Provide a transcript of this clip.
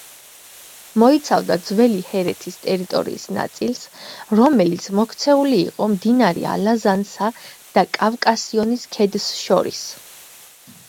მოიცავდა ძველი ჰერეთის ტერიტორიის ნაწილს, რომელიც მოქცეული იყო მდინარე ალაზანსა და კავკასიონის ქედს შორის.